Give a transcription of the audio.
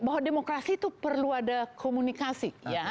bahwa demokrasi itu perlu ada komunikasi